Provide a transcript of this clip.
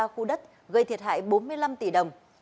ba khu đất gây thiệt hại bốn mươi năm tỷ đồng